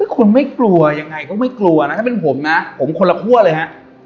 คุณไม่กลัวยังไงก็ไม่กลัวนะถ้าเป็นผมนะผมคนละครัวเลยฮะ